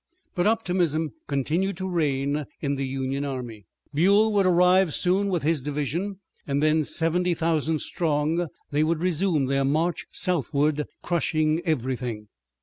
But optimism continued to reign in the Union army. Buell would arrive soon with his division and then seventy thousand strong they would resume their march southward, crushing everything.